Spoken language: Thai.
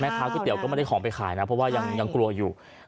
ค้าก๋วเตี๋ยก็ไม่ได้ของไปขายนะเพราะว่ายังกลัวอยู่